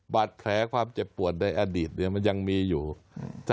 บาดแผลความเจ็บปวดในอดีตเนี่ยมันยังมีอยู่